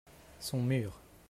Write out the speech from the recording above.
son mur.